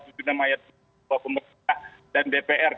yaitu bahwa pemerintah dan dpr